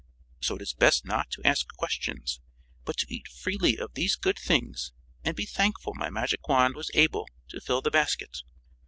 So it is best not to ask questions, but to eat freely of these good things and be thankful my magic wand was able to fill the basket."